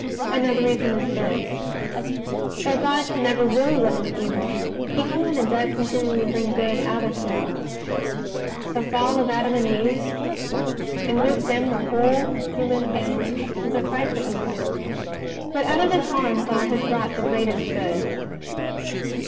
Another reason is this: Though God can never will what is evil. He can and does continually bring good out of evil. The fall of Adam and Eve, and with them of the whole human family, was a frightful evil, but out of this harm God has brought the greatest good.